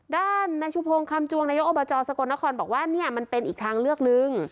ด้านในชุพงศ์คำจวงนายกอบจสกลนครบอกว่าเนี่ยมันเป็นอีกทางเลือกหนึ่ง